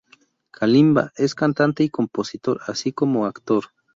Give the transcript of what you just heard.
Kalimba es cantante y compositor, así como actor.